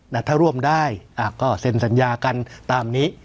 แต่ถ้าร่วมได้ก็เซ็นสัญญากันตามนี้